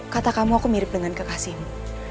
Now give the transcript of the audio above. kata kamu aku mirip dengan kekasihmu